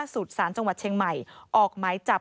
สุดสารจังหวัดเชียงใหม่ออกหมายจับ